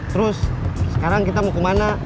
terus sekarang kita mau kemana